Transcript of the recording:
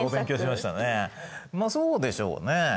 まあそうでしょうね。